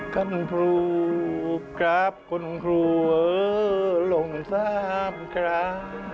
กันพรูปกราบคนครัวลงซ้ำครา